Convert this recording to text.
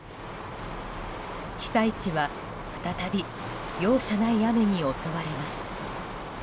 被災地は再び、容赦ない雨に襲われます。